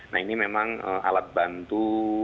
nah ini memang alat bantu